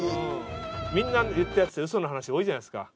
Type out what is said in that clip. みんな言ったやつ嘘の話多いじゃないですか。